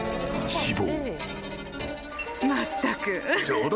死亡］